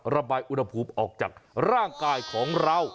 ระบายอุณหภูมิออกจากร่างกายของเรา